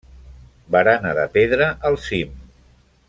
Barana de pedra al cim.